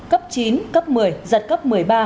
cấp chín cấp một mươi giật cấp một mươi ba